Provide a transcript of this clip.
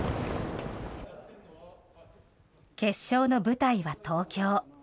決勝の舞台は東京。